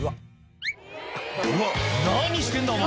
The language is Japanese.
「うわ何してんだお前」